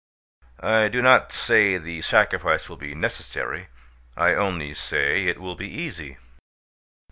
I do not say the sacrifice will be necessary; I only say it will be easy.